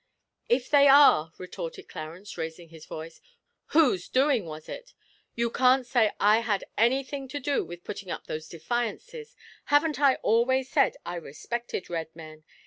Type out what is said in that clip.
'If they are,' retorted Clarence, raising his voice, 'whose doing was it? You can't say I had anything to do with putting up those defiances! Haven't I always said I respected Red men?